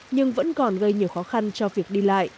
nhưng vẫn còn gây nhiều khó khăn cho việc đi lại